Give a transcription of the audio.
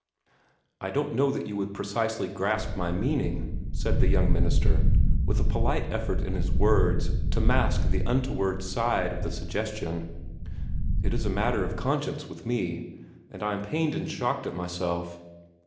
"I don't know that you would precisely grasp my meaning," said the young minister, with a polite effort in his words to mask the untoward side of the suggestion. "It is a matter of conscience with me; and I am pained and shocked at myself."